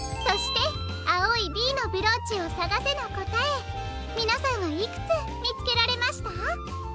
そして「あおい『Ｂ』のブローチをさがせ！」のこたえみなさんはいくつみつけられました？